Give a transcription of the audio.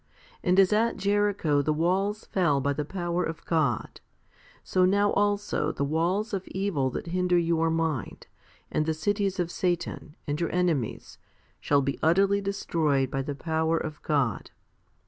And as at Jericho the walls fell by the power of God, so now also the walls of evil that hinder your mind, and the cities of Satan, and your enemies, shall be utterly destroyed by the power of God.